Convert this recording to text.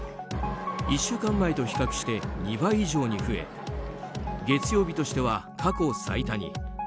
１週間前と比較して２倍以上に増え月曜日としては過去最多に。